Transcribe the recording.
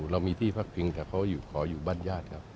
เรามีที่พักพิงแต่เขาขออยู่บ้านญาติครับ